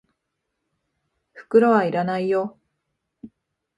袋は要らないよ。